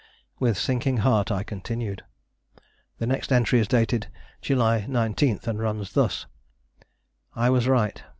With sinking heart, I continued. The next entry is dated July 19, and runs thus: "I was right.